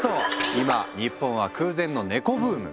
今日本は空前のネコブーム。